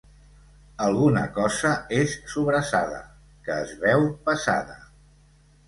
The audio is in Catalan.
Alguna cosa és sobrassada, que es veu pesada.